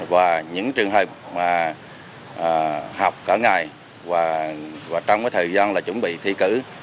và những trường hợp mà học cả ngày và trong thời gian là chuẩn bị thi cử